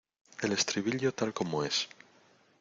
el estribillo tal como es.